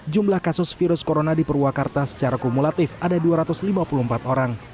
jumlah kasus virus corona di purwakarta secara kumulatif ada dua ratus lima puluh empat orang